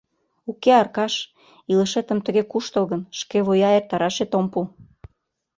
— Уке, Аркаш, илышетым тыге куштылгын, шкевуя эртарашет ом пу.